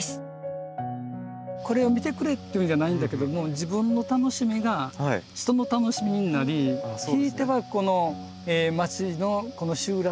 これを見てくれっていうんじゃないんだけども自分の楽しみが人の楽しみになりひいてはこの町のこの集落の景観をつくっている。